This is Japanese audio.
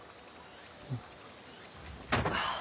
うん。